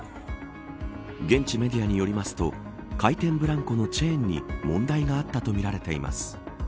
現地メディアによりますと回転ブランコのチェーンに問題があったとみられています。